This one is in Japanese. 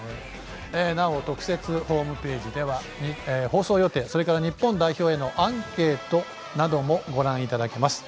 なお特設ホームページでは放送予定、それから日本代表へのアンケートなどもご覧いただけます。